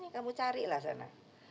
kamu carilah sana